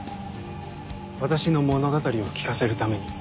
私の物語を聞かせるために。